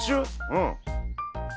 うん。